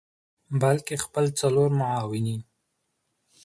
بلکه خپل څلور معاونین